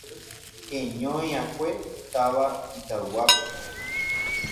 heñoi'akue táva Itauguápe